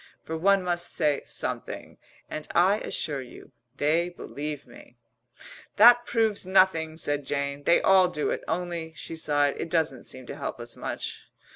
(for one must say something) and I assure you, they believe me." "That proves nothing," said Jane. "They all do it. Only," she sighed, "it doesn't seem to help us much.